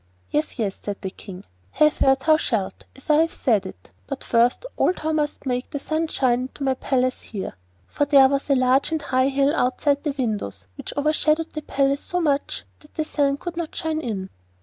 'Yes, yes,' said the King. 'Have her thou shalt, as I have said it; but first of all thou must make the sun shine into my palace here.' For there was a large and high hill outside the windows which overshadowed the palace so much that the sun could not shine in.